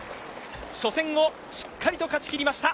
初戦をしっかりと勝ちきりました。